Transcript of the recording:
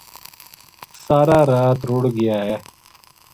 سارا رات رُڑھ گیا ہے‘ ‘